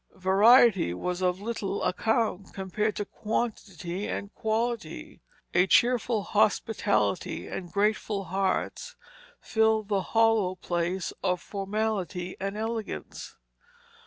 Variety was of little account, compared to quantity and quality. A cheerful hospitality and grateful hearts filled the hollow place of formality and elegance.